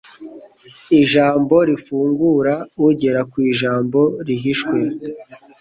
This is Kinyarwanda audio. ijambo rifungura ugera ku ijambo rihishwe